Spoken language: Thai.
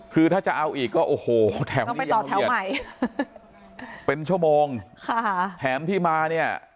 คือถ้าจะเอาอีกก็โอ้โหแถวนี้ไปต่อแถวใหม่เป็นชั่วโมงค่ะแถมที่มาเนี่ย